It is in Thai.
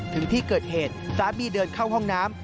ถึงที่เกิดเหตุสามีเดินเข้าห้องน้ำ